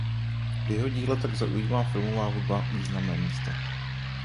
V jeho díle tak zaujímá filmová hudba významné místo.